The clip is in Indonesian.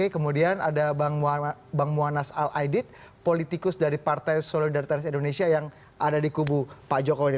kemudian ada bang muanas al aidid politikus dari partai solidaritas indonesia yang ada di kubu pak jokowi